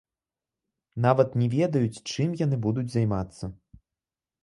Нават не ведаюць, чым яны будуць займацца.